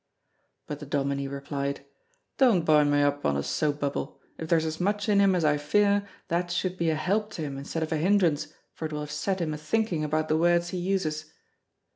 But the Dominie replied, "Don't buoy me up on a soap bubble. If there's as much in him as I fear, that should be a help to him instead of a hindrance, for it will have set him a thinking about the words he uses."